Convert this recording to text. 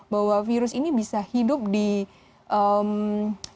bahwa virus ini bisa hidup di cairan semen